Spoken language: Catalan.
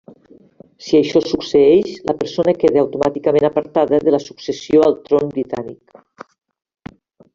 Si això succeeix, la persona queda automàticament apartada de la successió al tron britànic.